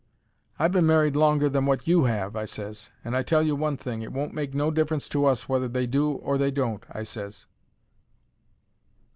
"I've been married longer than wot you have," I ses, "and I tell you one thing. It won't make no difference to us whether they do or they don't," I ses.